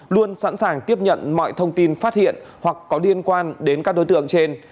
luôn sẵn sàng tiếp nhận mọi thông tin phát hiện hoặc có liên quan đến các đối tượng trên